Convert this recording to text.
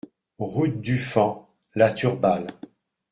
Route du Fan, La Turballe